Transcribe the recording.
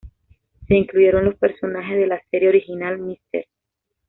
Se incluyen los personajes de la serie original: Mr.